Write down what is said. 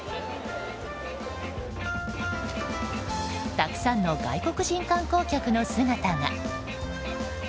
たくさんの外国人観光客の姿が。